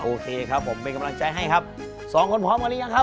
โอเคครับผมเป็นกำลังใจให้ครับสองคนพร้อมกันหรือยังครับ